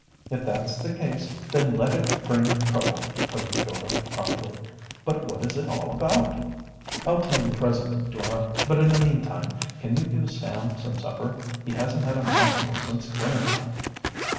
"If that's the case, then let it bring trouble," put in Dora promptly. "But what is it all about." "I'll tell you presently, Dora. But in the meantime can you give Sam some supper? He hasn't had a mouthful since dinner time."